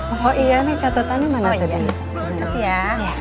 oh iya nih catatannya mana tadi ya